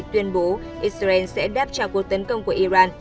tuyên bố israel sẽ đáp trả cuộc tấn công của iran